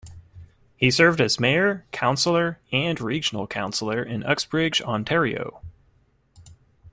He served as mayor, councillor and regional councillor in Uxbridge, Ontario.